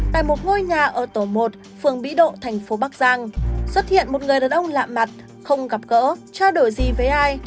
tại một ngôi nhà ở tổ một phường mỹ độ thành phố bắc giang xuất hiện một người đàn ông lạ mặt không gặp gỡ trao đổi gì với ai